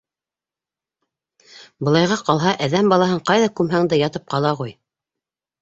Былайға ҡалһа, әҙәм балаһын ҡайҙа күмһәң дә ятып ҡала ғуй.